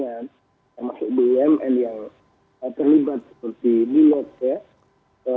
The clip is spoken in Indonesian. yang masuk bumn yang terlibat seperti milet ya